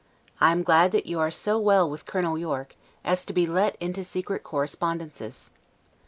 I am glad that you are so well with Colonel Yorke, as to be let into secret correspondences.